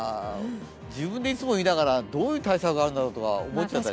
自分でいつも言いながら、どういう対策があるんだろうと思っちゃいました。